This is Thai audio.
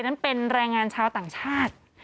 นั้นเป็นแรงงานชาวต่างชาติ